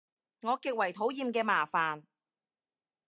我極為討厭嘅麻煩